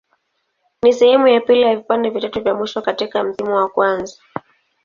Ni sehemu ya pili ya vipande vitatu vya mwisho katika msimu wa kwanza.